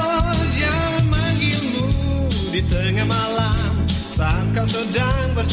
oh jangan mengilmu di tengah malam saat kau sedang bersedih